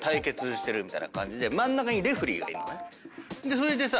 それでさ。